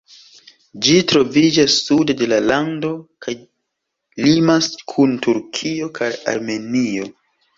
Ĝi troviĝas sude de la lando kaj limas kun Turkio kaj Armenio.